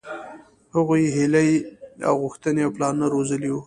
هغوۍ هيلې او غوښتنې او پلانونه روزلي وو.